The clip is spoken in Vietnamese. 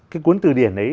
cái cuốn từ điển ấy